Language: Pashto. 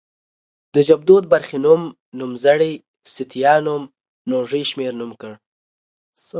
د ژبدود برخې نوم، نومځری ستيانوم ، نوږی شمېرنوم کړ